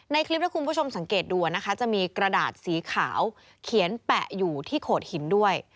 คลิปถ้าคุณผู้ชมสังเกตดูนะคะจะมีกระดาษสีขาวเขียนแปะอยู่ที่โขดหินด้วย